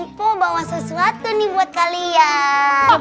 ibu bawa sesuatu nih buat kalian